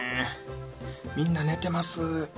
みんな寝てます。